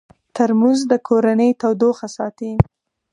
ترموز د کورنۍ تودوخه ساتي.